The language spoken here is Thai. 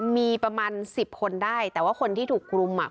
มีประมาณสิบคนได้แต่ว่าคนที่ถูกกลุ่มอ่ะ